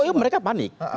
oh iya mereka panik